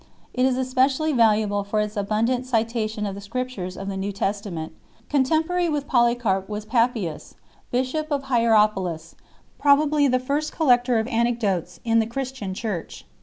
It is especially valuable for its abundant citation of the Scrip tures of the New Testament. Contemporary with Poly carp was Papias 4 , bishop of Hierapolis, probably the first collector of anecdotes in the Christian Church.